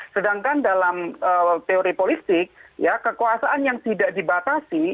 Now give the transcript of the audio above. sedangkan dalam teori politik kekuasaan yang tidak dibatasi